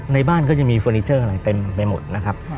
ในบ้านก็จะมีเฟอร์นิเจอร์อะไรเต็มไปหมดนะครับ